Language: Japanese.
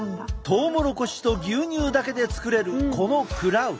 トウモロコシと牛乳だけで作れるこのクラウ。